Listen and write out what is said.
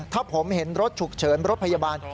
ถ้าผมเห็นรถฉุกเฉินรถพยาบาล